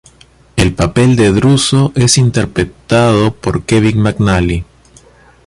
El papel de Druso es interpretado por Kevin McNally.